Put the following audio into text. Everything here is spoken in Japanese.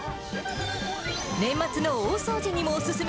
年末の大掃除にもお勧め。